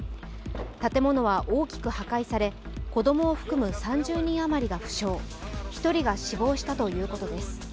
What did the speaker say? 建物は大きく破壊され子供を含む３０人余りが負傷、１人が死亡したということです。